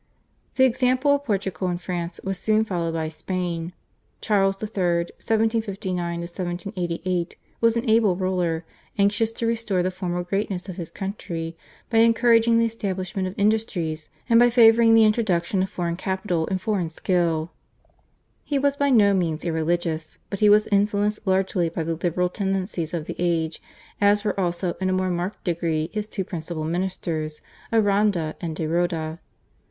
The example of Portugal and France was soon followed by Spain. Charles III. (1759 1788) was an able ruler, anxious to restore the former greatness of his country by encouraging the establishment of industries and by favouring the introduction of foreign capital and foreign skill. He was by no means irreligious, but he was influenced largely by the liberal tendencies of the age, as were also in a more marked degree his two principal ministers Aranda and de Roda.